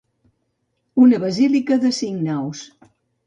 Una basílica de cinc naus.